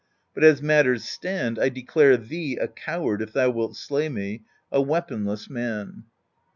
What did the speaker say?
But as matters stand, I declare thee a coward if thou wilt slay me, a weaponless man.'